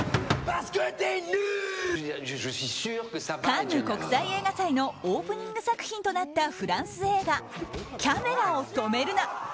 カンヌ国際映画祭のオープニング作品となったフランス映画「キャメラを止めるな！」。